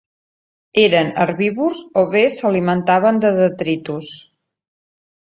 Eren herbívors o bé s'alimentaven de detritus.